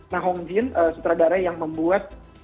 na hongjin sutradara yang membuat